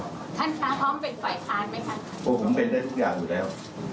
เพราะผมเป็นได้ทุกอย่างอยู่แล้ว